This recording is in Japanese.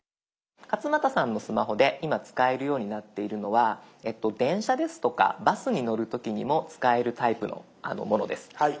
勝俣さんのスマホで今使えるようになっているのは電車ですとかバスに乗る時にも使えるタイプのものです。